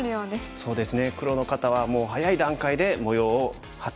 そうですね。